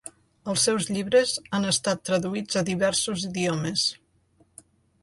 Els seus llibres han estat traduïts a diversos idiomes.